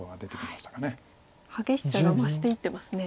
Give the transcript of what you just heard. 激しさが増していってますね。